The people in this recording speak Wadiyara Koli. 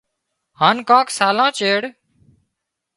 هانَ ڪانڪ سالان چيڙ